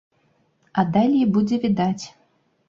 А далей будзе відаць.